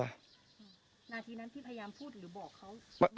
นาทีนั้นพี่พยายามพูดหรือบอกเขา